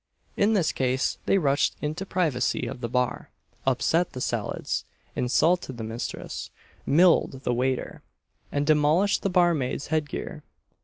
In this state they rushed into the privacy of the bar, upset the salads, insulted the mistress, milled the waiter, and demolished the barmaid's head gear.